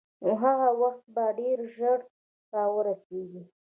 نو هغه وخت به ډېر ژر را ورسېږي.